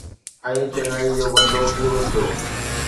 ۽ چڱائي جو بندو پورو ٿيو